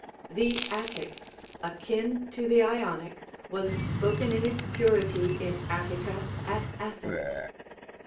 The Attic^ akin to the Ionic, was spoken in its purity in Attica, at Athens.